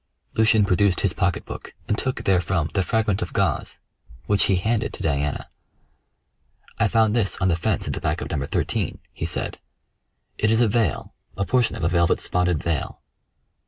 Lucian produced his pocketbook and took therefrom the fragment of gauze, which he handed to Diana. "I found this on the fence at the back of No. 13," he said. "It is a veil a portion of a velvet spotted veil."